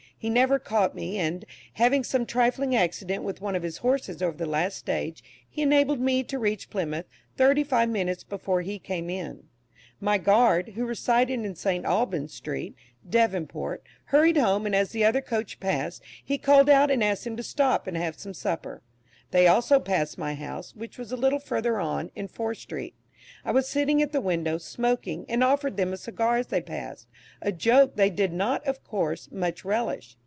He never caught me, and, having some trifling accident with one of his horses over the last stage, he enabled me to reach Plymouth thirty five minutes before he came in. My guard, who resided in St. Albans street, Devonport, hurried home, and as the other coach passed, he called out and asked them to stop and have some supper; they also passed my house, which was a little farther on, in Fore street. I was sitting at the window, smoking, and offered them a cigar as they passed a joke they did not, of course, much relish.